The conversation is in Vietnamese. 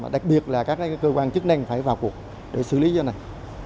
đặc biệt là các cơ quan chức năng phải vào cuộc để xử lý cái này